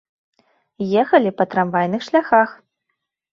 Ехалі па трамвайных шляхах.